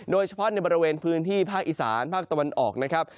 โดยเฉพาะในบริเวณพื้นที่ภาคอีสานภาคตะวันออกนะครับ